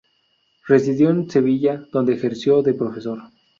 Residió en Sevilla donde ejerció de profesor.